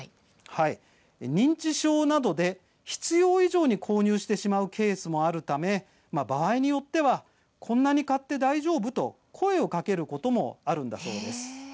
認知症などで必要以上に購入してしまうケースもあるため場合によってはこんなに買って大丈夫？と声をかけることもあるんだそうですね。